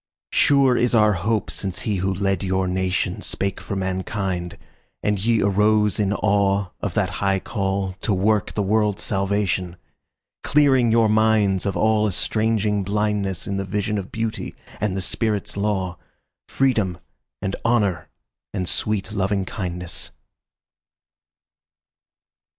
Sure is our hope since he who led your nationSpake for mankind, and ye arose in aweOf that high call to work the world's salvation; Clearing your minds of all estranging blindnessIn the vision of Beauty and the Spirit's law, Freedom and Honour and sweet Lovingkindness.